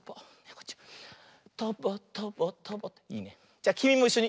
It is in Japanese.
じゃきみもいっしょに。